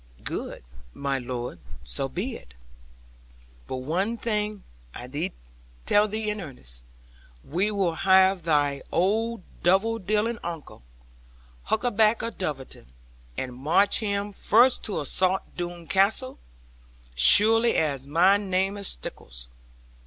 'Good, my lord; so be it. But one thing I tell thee in earnest. We will have thy old double dealing uncle, Huckaback of Dulverton, and march him first to assault Doone Castle, sure as my name is Stickles.